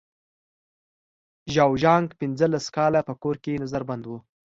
ژاو زیانګ پنځلس کاله په کور کې نظر بند و.